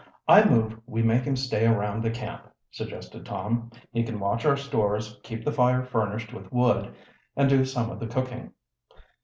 "I move we make him stay around the camp," suggested Tom. "He can watch our stores, keep the fire furnished with wood, and do some of the cooking."